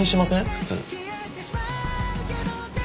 普通。